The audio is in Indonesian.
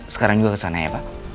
sekarang juga kesana ya pak